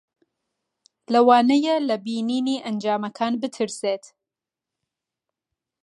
لەوانەیە لە بینینی ئەنجامەکان بترسێت.